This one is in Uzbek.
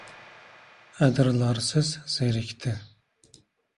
Adirlarsiz zerikdi.